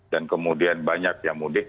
dan kemudian banyak yang mudik